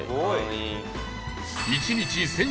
１日１０００